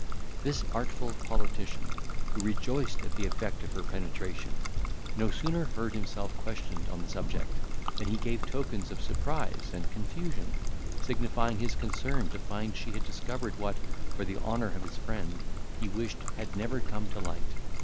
This artful politician, who rejoiced at the effect of her penetration, no sooner heard himself questioned on the subject, than he gave tokens of surprise and confusion, signifying his concern to find she had discovered what, for the honour of his friend, he wished had never come to light.